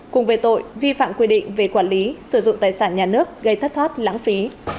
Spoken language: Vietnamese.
cùng về tội vi phạm quy định về quản lý sử dụng tài sản nhà nước gây thất thoát lãng phí